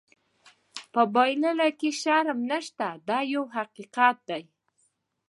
په بایللو کې شرم نشته دا یو حقیقت دی.